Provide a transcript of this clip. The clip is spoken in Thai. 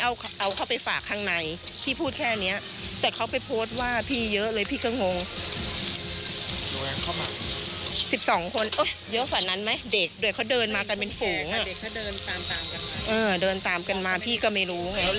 แล้วเรื่องที่จอดรถกับรถนี้คือเราเก็บตังค์อะไรไหม